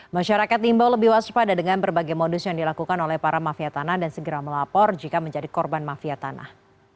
masyarakat diimbau lebih waspada dengan berbagai modus yang dilakukan oleh para mafia tanah dan segera melapor jika menjadi korban mafia tanah